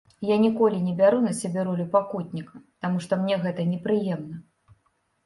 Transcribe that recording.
Я ніколі не бяру на сябе ролю пакутніка, таму што мне гэта непрыемна.